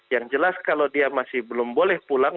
yang jelas kalau dia masih belum boleh pulang